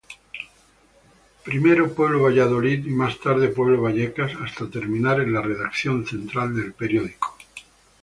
Primero Pueblo-Valladolid y más tarde Pueblo-Vallecas hasta terminar en la redacción central del periódico.